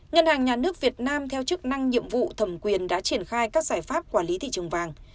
ngân hàng nhà nước việt nam theo chức năng nhiệm vụ thẩm quyền đã triển khai các giải pháp quản lý thị trường vàng